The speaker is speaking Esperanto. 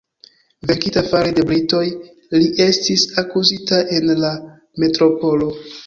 Venkita fare de britoj, li estis akuzita en la metropolo.